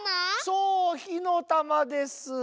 そうひのたまです。